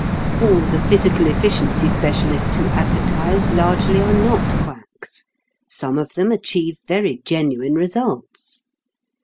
All the physical efficiency specialists who advertise largely are not quacks. Some of them achieve very genuine results.